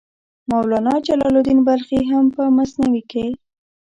مولانا جلال الدین بلخي هم په مثنوي کې.